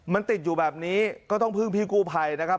มันติดอยู่แบบนี้ก็ต้องพึ่งพี่กู้ภัยนะครับ